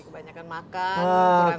kebanyakan makan kurang olahraga